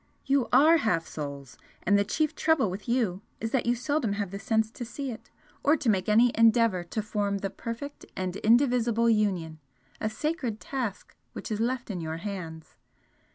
You ARE half souls, and the chief trouble with you is that you seldom have the sense to see it, or to make any endeavour to form the perfect and indivisible union, a sacred task which is left in your hands.